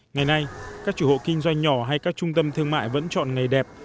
ngày nay các chủ hộ kinh doanh nhỏ hay các trung tâm thương mại vẫn chọn ngày đẹp